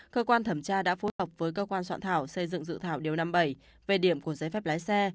cơ quan thẩm tra đã phối hợp với cơ quan soạn thảo xây dựng dự thảo điều năm mươi bảy về điểm của giấy phép lái xe